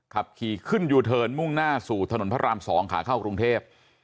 ขับขี่ขึ้นยูเทิร์นมุ่งหน้าสู่ถนนพระราม๒ขาเข้ากรุงเทพ